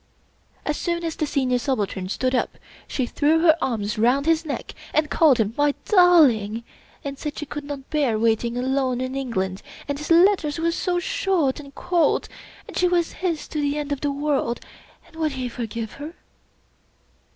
As soon as the Senior Subaltern stood up, she threw her arms round his neck, and called him " my darling " and said she could not bear waiting alone in England, and his letters were so short and cold, and she was his to the end of the world, and would he forgive her?